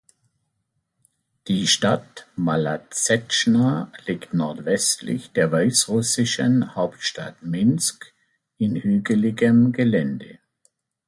Die Stadt Maladsetschna liegt nordwestlich der weißrussischen Hauptstadt Minsk, in hügeligem Gelände.